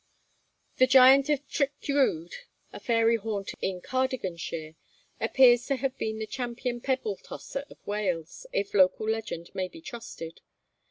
The giant of Trichrug, (a fairy haunt in Cardiganshire,) appears to have been the champion pebble tosser of Wales, if local legend may be trusted.